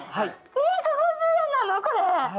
２５０円なの、これ。